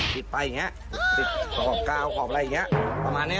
ปิดไปอย่างนี้ติดกรอบกาวกรอบอะไรอย่างนี้ประมาณนี้